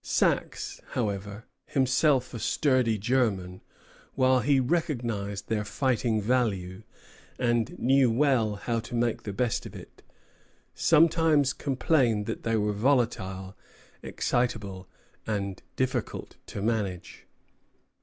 Saxe, however, himself a sturdy German, while he recognized their fighting value, and knew well how to make the best of it, sometimes complained that they were volatile, excitable, and difficult to manage.